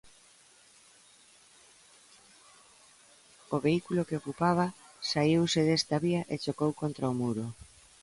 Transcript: O vehículo que ocupaba saíuse desta vía e chocou contra o muro.